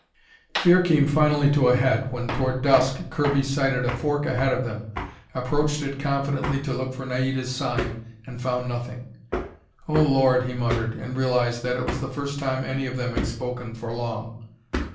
Fear came finally to a head when, toward dusk, Kirby sighted a fork ahead of them, approached it confidently to look for Naida's sign, and found nothing. "Oh Lord!" he muttered, and realized that it was the first time any of them had spoken for long.